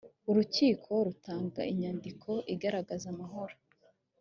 urukiko rutangaza inyandiko igaragaza amahoro